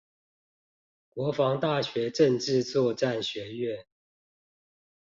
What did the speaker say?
國防大學政治作戰學院